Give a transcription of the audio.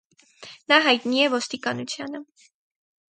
Նա հայտնի է ոստիկանությանը։